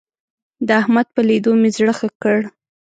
د احمد په ليدو مې زړه ښه کړ.